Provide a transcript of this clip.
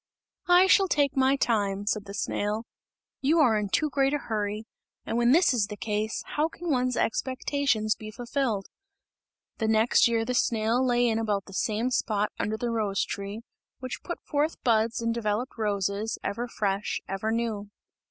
"I shall take my time," said the snail, "you are in too great a hurry, and when this is the case, how can one's expectations be fulfilled?" The next year the snail lay in about the same spot under the rose tree, which put forth buds and developed roses, ever fresh, ever new.